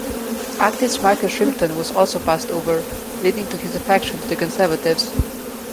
Activist Michael Shrimpton was also passed over, leading to his defection to the Conservatives.